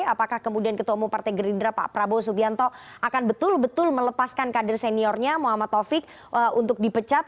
apakah kemudian ketua umum partai gerindra pak prabowo subianto akan betul betul melepaskan kader seniornya muhammad taufik untuk dipecat